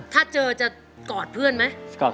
ถ้าเจอจะกอดเพื่อนไหม